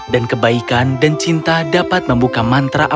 dan kebaikan dan cinta dapat membuka mantra apapun yang mereka inginkan